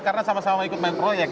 karena sama sama ikut main proyek